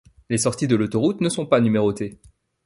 Les sorties de l'autoroute ne sont pas numérotées.